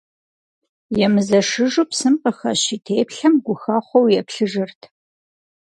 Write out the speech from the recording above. Емызэшыжу псым къыхэщ и теплъэм гухэхъуэу еплъыжырт.